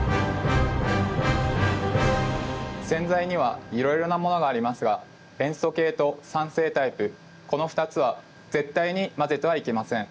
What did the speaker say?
洗剤にはいろいろなものがありますが塩素系と酸性タイプこの２つは絶対に混ぜてはいけません。